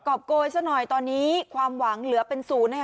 รอบโกยซะหน่อยตอนนี้ความหวังเหลือเป็นศูนย์นะคะ